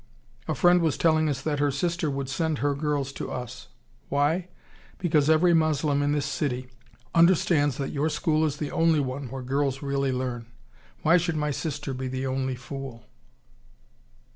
A friend was telling us that her sister would send her girls to us. 'Why?' 'Because every Moslem in this city understands that your school is the only one where girls really learn. Why should my sister be the only fool?